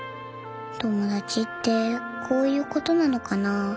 友達ってこういうことなのかな。